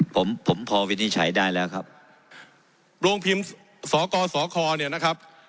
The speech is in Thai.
ผมผมพอวินิจฉัยได้แล้วครับโรงพิมพ์สกสคเนี่ยนะครับ